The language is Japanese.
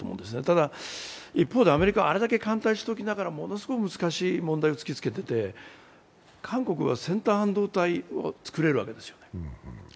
ただ、一方でアメリカはあれだけ歓待しておきながらものすごく難しい問題を突きつけていて、韓国は先端半導体を作れるわけです。